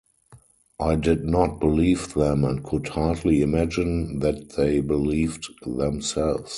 I did not believe them and could hardly imagine that they believed themselves.